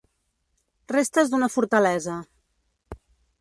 Restes d'una fortalesa.